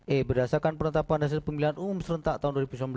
e berdasarkan penetapan hasil pemilihan umum serentak tahun dua ribu sembilan belas